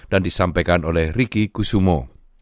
dan disampaikan oleh ricky kusumo